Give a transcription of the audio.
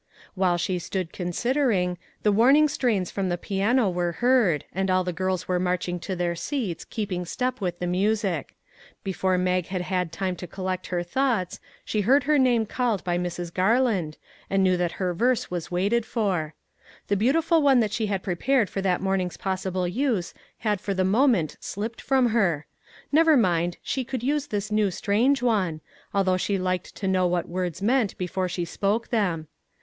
While she stood considering, the warning strains from the piano were heard, and all the girls were marching to their seats, keeping step with the music. Before Mag had had time to collect her thoughts, she heard her name called by Mrs. Garland, and knew that her verse was waited for. The beautiful one that she had prepared for that morning's possi 3 2 9 MAG AND MARGARET ble use had for the moment slipped from her; never mind, she could use this new strange one, although she liked to know what words meant before she spoke them.